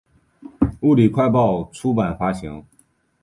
物理快报出版发行。